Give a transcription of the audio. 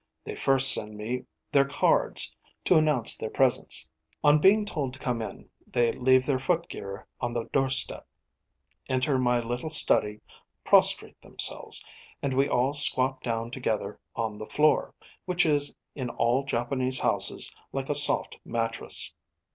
They first send me their cards, to announce their presence. On being told to come in they leave their footgear on the doorstep, enter my little study, prostrate themselves; and we all squat down together on the floor, which is in all Japanese houses like a soft mattress.